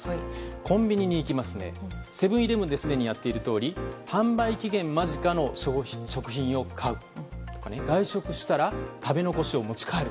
コンビニに行きましてセブン‐イレブンですでにやっているとおり販売期限間近の食品を買う外食したら食べ残しを持ち帰る。